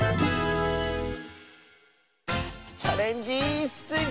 「チャレンジスイちゃん」！